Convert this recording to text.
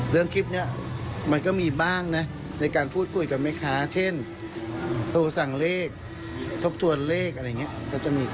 เรื่องคลิปนี้มันก็มีบ้างนะในการพูดคุยกับแม่ค้าเช่นโทรสั่งเลขทบทวนเลขอะไรอย่างนี้